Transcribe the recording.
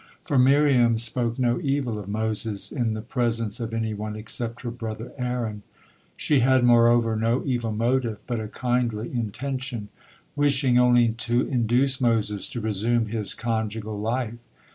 For Miriam spoke no evil of Moses in the presence of any one except her brother Aaron. She had moreover no evil motive, but a kindly intention, wishing only to induce Moses to resume his conjugal life.